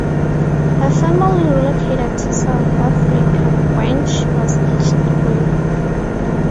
Her family relocated to South Africa when she was age three.